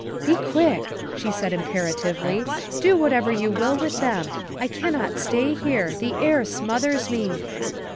" Be quick," she said imperatively, " do whatever you will with them. I cannot stay here. The air smothers me."